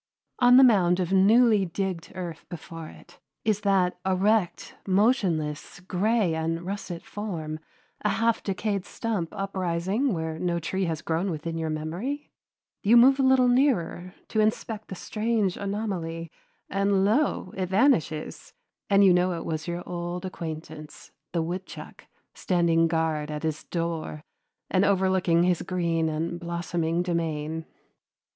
On the mound of newly digged earth before it, is that erect, motionless, gray and russet form a half decayed stump uprising where no tree has grown within your memory? You move a little nearer to inspect the strange anomaly, and lo! it vanishes, and you know it was your old acquaintance, the woodchuck, standing guard at his door and overlooking his green and blossoming domain.